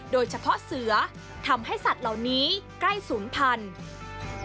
โดยเฉพาะเสือทำให้สัตว์เหล่านี้ใกล้ศูนย์พันธุ์